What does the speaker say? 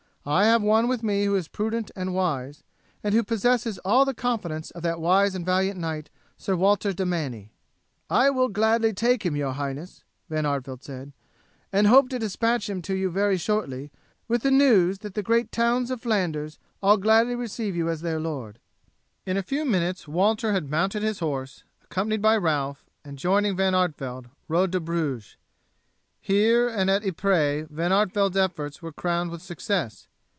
I have one with me who is prudent and wise, and who possesses all the confidence of that wise and valiant knight, Sir Walter de Manny." "I will gladly take him, your royal highness," Van Artevelde said, "and hope to despatch him to you very shortly with the news that the great towns of Flanders all gladly receive you as their lord." In a few minutes Walter had mounted his horse, accompanied by Ralph, and, joining Van Artevelde, rode to Bruges. Here and at Ypres Van Artevelde's efforts were crowned with success.